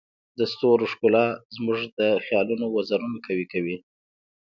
د ستورو ښکلا زموږ د خیالونو وزرونه قوي کوي.